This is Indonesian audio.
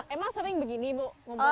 emang sering begini bu